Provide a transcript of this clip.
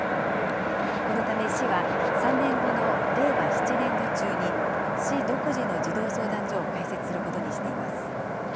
このため市は、３年後の令和７年度中に市独自の児童相談所を開設することにしています。